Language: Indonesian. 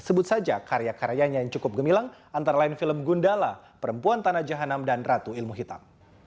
sebut saja karya karyanya yang cukup gemilang antara lain film gundala perempuan tanah jahanam dan ratu ilmu hitam